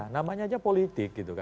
namanya aja politik gitu kan